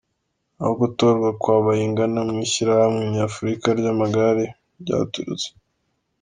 Aho gutorwa kwa Bayingana mu Ishyirahamwe Nyafurika ry’amagare byaturutse